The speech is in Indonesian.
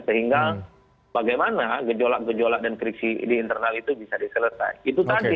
sehingga bagaimana gejolak gejolak dan krisi di internal itu bisa diselesai itu tadi